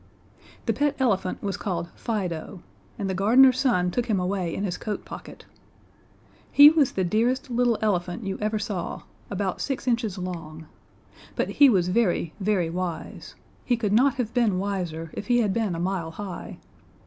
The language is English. The pet elephant was called Fido, and the gardener's son took him away in his coat pocket. He was the dearest little elephant you ever saw about six inches long. But he was very, very wise he could not have been wiser if he had been a mile high.